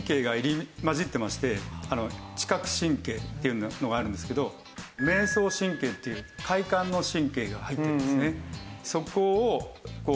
知覚神経っていうのがあるんですけど迷走神経っていう快感の神経が入ってますね。